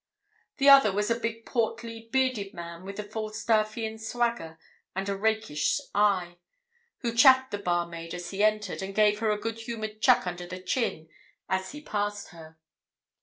The other was a big, portly, bearded man with a Falstaffian swagger and a rakish eye, who chaffed the barmaid as he entered, and gave her a good humoured chuck under the chin as he passed her.